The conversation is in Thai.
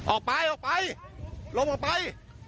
ออกไปออกไปลงออกไป